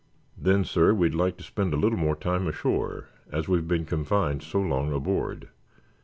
"Then, sir, we'd like to spend a little time ashore, as we've been confined so long aboard.